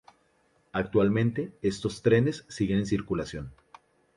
Actualmente, estos trenes siguen en circulación.